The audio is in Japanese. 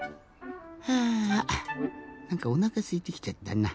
はあなんかおなかすいてきちゃったな。